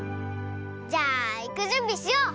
じゃあいくじゅんびしよう！